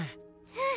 うん。